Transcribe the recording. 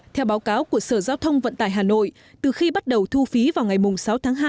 theo báo cáo của sở giao thông vận tải hà nội từ khi bắt đầu thu phí vào ngày sáu tháng hai